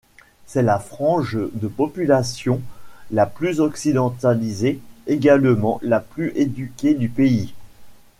C'est la frange de population la plus occidentalisée, également la plus éduquée du pays.